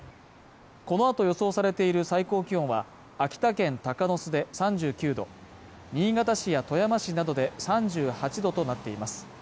このあと予想されている最高気温は秋田県鷹巣で３９度新潟市や富山市などで３８度となっています